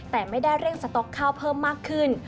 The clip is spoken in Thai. แต่ไม่ได้เร่งสต๊อกข้าวเพิ่มมากขึ้น